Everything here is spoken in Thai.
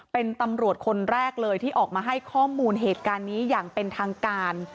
เป็นตำรวจคนแรกเลยที่ออกมาให้ข้อมูลเหตุการณ์นี้อย่างเป็นทางการ